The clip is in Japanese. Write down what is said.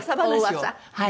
はい。